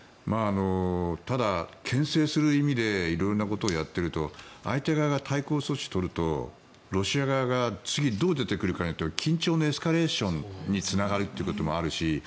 ただ、けん制する意味で色々なことをやっていると相手側が対抗措置を取るとロシア側が次、どう出てくるかによって緊張のエスカレーションにつながるということもあるし